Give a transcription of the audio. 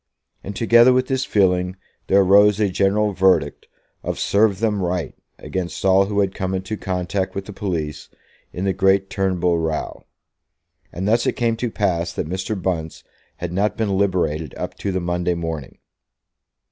And together with this feeling there arose a general verdict of "Serve them right" against all who had come into contact with the police in the great Turnbull row; and thus it came to pass that Mr. Bunce had not been liberated up to the Monday morning.